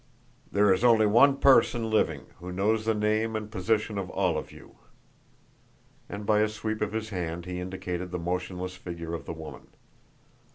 "There is only one person living who knows the name and position of all of you," and by a sweep of his hand he indicated the motionless figure of the woman.